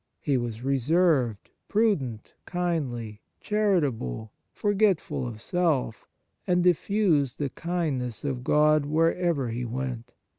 He was reserved, prudent, kindly, charitable, forgetful of self, and diffused the kindness of God wherever he went.